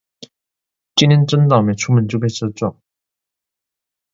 今天真倒楣，出門就被車撞